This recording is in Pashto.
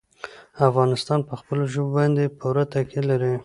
افغانستان په خپلو ژبو باندې پوره تکیه لري.